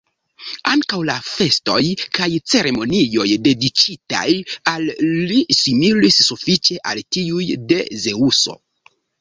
Ankaŭ la festoj kaj ceremonioj dediĉitaj al li similis sufiĉe al tiuj, de Zeŭso.